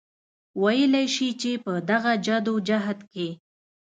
وئيلی شي چې پۀ دغه جدوجهد کې